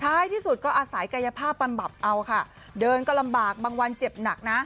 ที่สุดก็อาศัยกายภาพบำบับเอาค่ะเดินก็ลำบากบางวันเจ็บหนักนะ